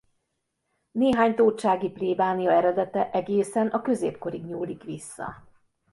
Néhány tótsági plébánia eredete egészen a középkorig nyúlik vissza.